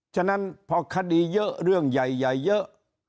ฉะนั้นพอคดีเยอะเรื่องใหญ่เยอะ